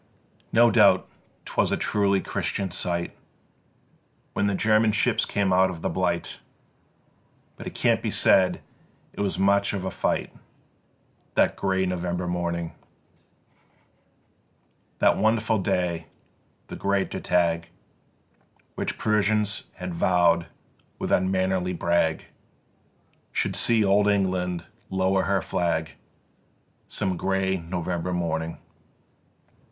1. No doubt 'twas a truly Christian sight When the German ships came out of the Bight, But it can't be said it was much of a fight That grey November morning; The wonderful day, the great Der Tag, Which Prussians had vow'd with unmannerly brag Should see Old England lower her flag Some grey November morning.